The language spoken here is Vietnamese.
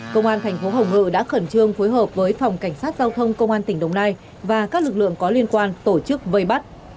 công an thành phố hồng ngự đã khẩn trương phối hợp với phòng cảnh sát giao thông công an tỉnh đồng nai và các lực lượng có liên quan tổ chức vây bắt